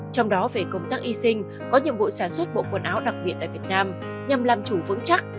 trong đó về công tác y sinh có nhiệm vụ sản xuất bộ quần áo đặc biệt tại việt nam nhằm làm chủ vững chắc